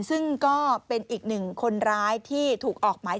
ซึ่งก็เป็นอีกหนึ่งคนร้ายที่ถูกออกหมาย